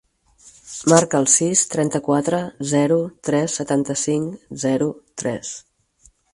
Marca el sis, trenta-quatre, zero, tres, setanta-cinc, zero, tres.